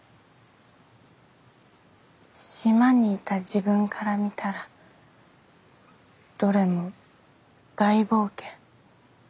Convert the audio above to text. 島にいた自分から見たらどれも大冒険。